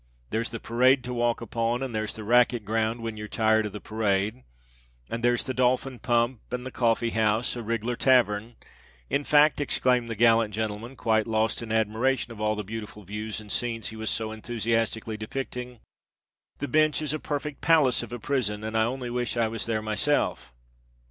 There's the parade to walk upon—and there's the racquet ground when ye're tired of the parade—and there's the dolphin pump—and the coffee house, a riglar tavern——In fact," exclaimed the gallant gentleman, quite lost in admiration of all the beautiful views and scenes he was so enthusiastically depicting, "the Binch is a perfect palace of a prison, and I only wish I was there myself."